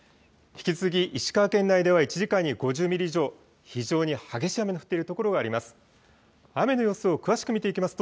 引き続き石川県内では１時間に５０ミリ以上の非常に激しい雨の降っている所があります。